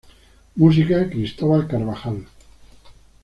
Música: Cristóbal Carvajal.